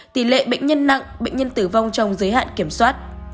tỷ lệ bệnh nhân nặng bệnh nhân tử vong trong giới hạn kiểm soát